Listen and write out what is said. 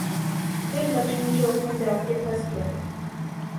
پھر لکشمی چوک میں جا کے پھنس گیا۔